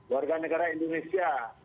warga negara indonesia